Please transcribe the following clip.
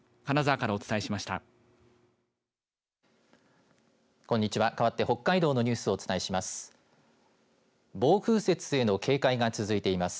かわって北海道のニュースをお伝えします。